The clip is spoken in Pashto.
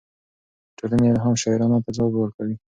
ټولنې الهام شاعرانو ته ځواک ورکوي.